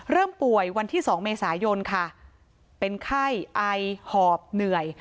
เริ่มป่วยวันที่๒เมษายนค่ะเป็นไข้ไอหอบเหนื่อย